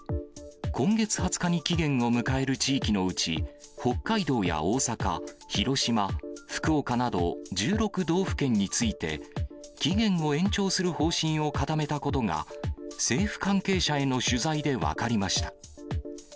今月２０日に期限を迎える地域のうち、北海道や大阪、広島、福岡など、１６道府県について、期限を延長する方針を固めたことが、政府関係者への取材で分かりました。